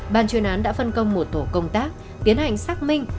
ban chuyên án đã phân công một tổ công tác tiến hành xác minh